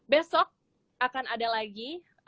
besok akan ada lagi